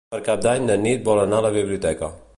Per Cap d'Any na Nit vol anar a la biblioteca.